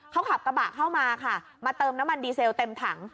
เขาขับกระบะเข้ามาค่ะมาเติมน้ำมันดีเซลเต็มถัง